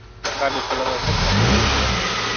การเป็นพลเมืองชั้นสองอย่างเต็มตัว